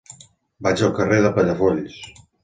Vaig al carrer de Palafolls.